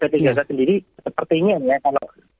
berarti sendiri sepertinya ya kalau